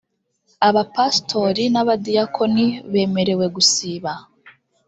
abapastori n’abadiyakoni bemerewe gusiba